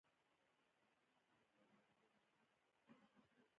عقاب څنګه خپله ځاله جوړوي؟